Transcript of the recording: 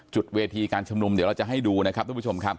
เวทีการชุมนุมเดี๋ยวเราจะให้ดูนะครับทุกผู้ชมครับ